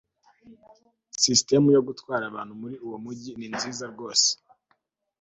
sisitemu yo gutwara abantu muri uwo mujyi ni nziza rwose